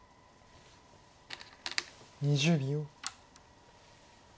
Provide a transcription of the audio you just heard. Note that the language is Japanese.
２０秒。